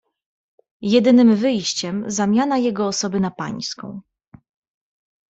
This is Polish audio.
"Jedynym wyjściem zamiana jego osoby na pańską."